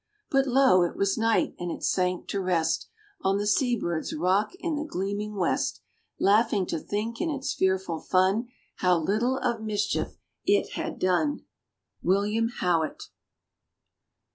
But lo! it was night, and it sank to rest, On the sea bird's rock in the gleaming West, Laughing to think, in its fearful fun, How little of mischief it had done. WILLIAM HOWITT.